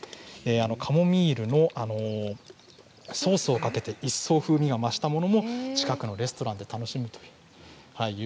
カモミールのソースをかけて一層風味を増したものをレストランで楽しめます。